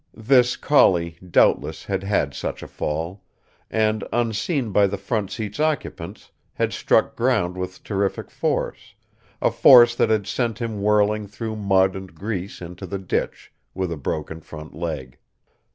This collie, doubtless, had had such a fall; and, unseen by the front seat's occupants, had struck ground with terrific force a force that had sent him whirling through mud and grease into the ditch, with a broken front leg.